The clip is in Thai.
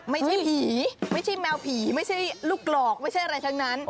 ไม่ใช่ผีไม่ใช่แมวผีไม่ใช่ลูกหลอกไม่ใช่อะไรทั้งนั้น